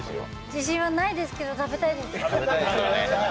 自信はないですけど食べたいです。